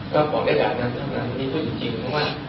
ก็บอกได้อย่างนั้นทั้งนั้นวันนี้พูดจริงเพราะว่า